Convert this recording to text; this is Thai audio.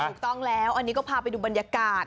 ถูกต้องแล้วอันนี้ก็พาไปดูบรรยากาศ